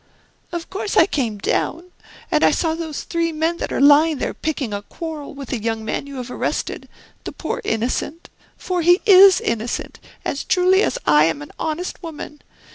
"Of course I came down, and I saw those three men that are lying there picking a quarrel with the young man you have arrested; the poor innocent! For he is innocent, as truly as I am an honest woman.